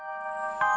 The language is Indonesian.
sampai jumpa lagi